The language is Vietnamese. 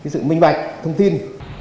sự minh bạch thông tin